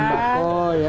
mantap loh kan